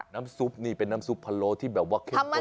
น้ำซุปนี่เป็นน้ำซุปพะโลที่แบบว่าเข้มข้น